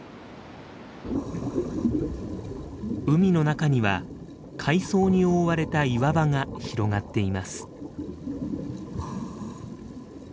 海の中には海藻に覆われた岩場が広がっています。